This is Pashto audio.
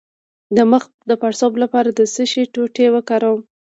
د مخ د پړسوب لپاره د څه شي ټوټې وکاروم؟